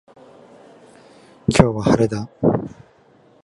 今日は晴れだ